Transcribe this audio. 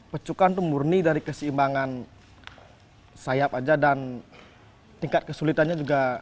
pecukan itu murni dari keseimbangan sayap aja dan tingkat kesulitannya juga